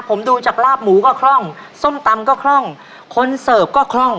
ผมดูจากลาบหมูก็คล่องส้มตำก็คล่องคนเสิร์ฟก็คล่อง